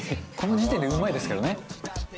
この時点でうまいですけどね。